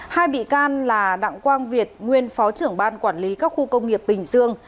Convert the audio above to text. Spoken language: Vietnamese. hai bị can là đặng quang việt nguyên phó trưởng ban quản lý các khu công nghiệp bình dương